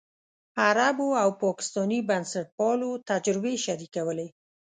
عربو او پاکستاني بنسټپالو تجربې شریکولې.